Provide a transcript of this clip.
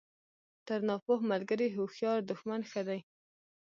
تر ناپوه ملګري هوښیار دوښمن ښه دئ!